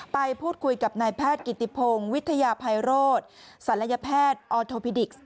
ไปพูดคุยกับนายแพทย์กิติพงศ์วิทยาภัยโรธศัลยแพทย์ออโทพิดิกซ์